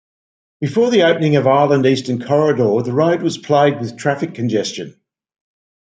Before the opening of Island Eastern Corridor, the road was plagued with traffic congestion.